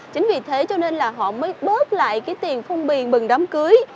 chính vì thế cho nên là họ mới bớt lại cái tiền phong bì bừng đám cưới